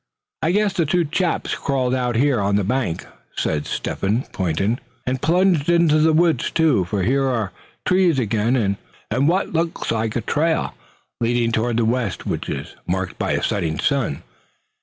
"I guess the two chaps crawled out here on the bank," said Step hen, pointing. "And plunged into the woods too, for here are trees again, and what looks like a trail, leading toward the west, which is marked by a setting sun.